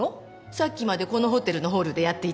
さっきまでこのホテルのホールでやっていたさ。